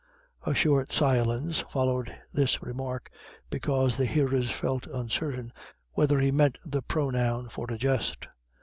A short silence followed this remark, because the hearers felt uncertain whether he meant the pronoun for a jest.